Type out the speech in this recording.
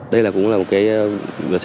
đây cũng là một sự hoạt chứng trị